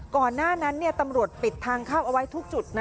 ก่อนหน้านั้นตำรวจปิดทางเข้าเอาไว้ทุกจุด